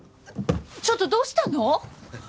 ちょっとどうしたの？